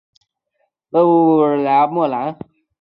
勒布莱莫兰。